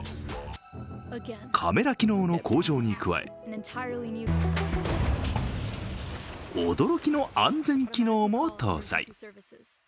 カメラ機能の向上に加え、驚きの安全機能も搭載。